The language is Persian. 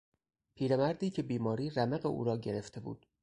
پیرمردی که بیماری رمق او را گرفته بود